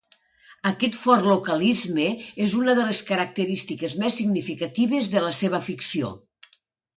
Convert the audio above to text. Aquest fort localisme és una de les característiques més significatives de la seva ficció.